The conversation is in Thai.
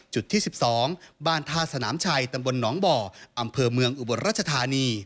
ที่๑๒บ้านท่าสนามชัยตำบลหนองบ่ออำเภอเมืองอุบลรัชธานี